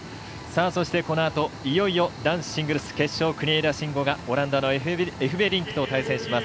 そして、このあといよいよ男子シングルス決勝国枝慎吾がオランダのエフベリンクと対戦します。